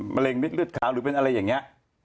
มะเร็งมิ้ดรึดค้าหรือเป็นอะไรอย่างนี้